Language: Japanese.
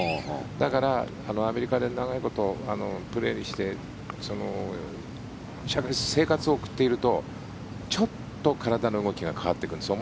だからアメリカで長いことプレーして生活を送っているとちょっと体の動きが変わってくるんです。